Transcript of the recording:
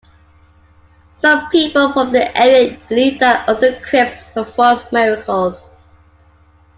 Some people from the area believe that Arthur Cripps performed miracles.